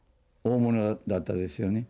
大物だったですよね。